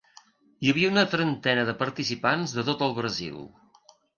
Hi havia una trentena de participants de tot el Brasil.